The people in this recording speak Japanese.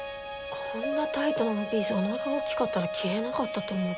こんなタイトなワンピースおなかが大きかったら着れなかったと思うけど。